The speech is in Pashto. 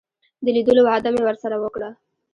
د لیدلو وعده مې ورسره وکړه.